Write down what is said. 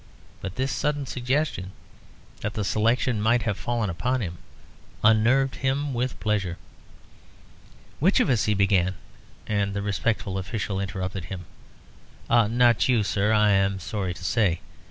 But this sudden suggestion, that the selection might have fallen upon him, unnerved him with pleasure. "Which of us," he began, and the respectful official interrupted him. "Not you, sir, I am sorry to say.